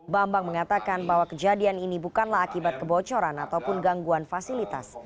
bambang mengatakan bahwa kejadian ini bukanlah akibat kebocoran ataupun gangguan fasilitas